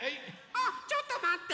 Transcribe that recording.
あっちょっとまって。